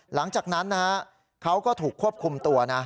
หลังจากนั้นนะฮะเขาก็ถูกควบคุมตัวนะ